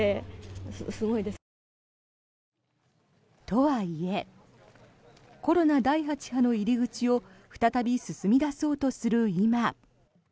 とはいえコロナ第８波の入り口を再び進み出そうとする今。